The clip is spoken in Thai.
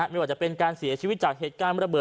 ไม่ว่าจะเป็นการเสียชีวิตจากเหตุการณ์ระเบิ